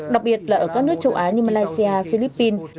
đặc biệt là ở các nước châu á như malaysia philippines